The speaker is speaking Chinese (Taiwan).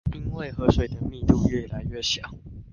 因為河水的密度愈來愈小